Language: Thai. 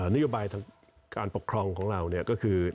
นโยบายทางการปกครองของเราก็คือ